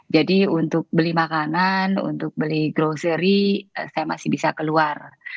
jadi untuk beli makanan untuk beli grocery saya masih bisa keluar